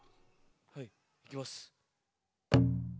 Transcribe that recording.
はいいきます。